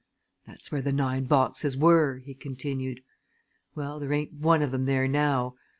"That's where the nine boxes were," he continued. "Well, there ain't one of 'em there now!